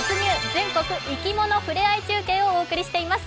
全国いきものふれあい中継」をお送りしています。